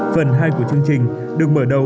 phần hai của chương trình được mở đầu